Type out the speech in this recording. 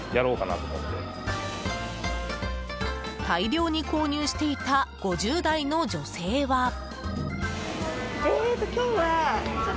大量に購入していた５０代の女性は。